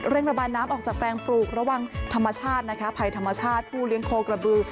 เร่งระบายน้ำออกจากแปลงปลูกระวังภัยธรรมชาติผู้เลี้ยงโครกระบือ